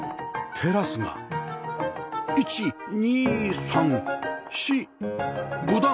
テラスが１２３４５段！